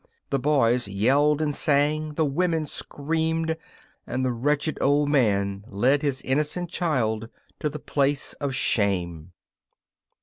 The boys yelled and sang, the women screamed, and the wretched old man led his innocent child to the place of shame.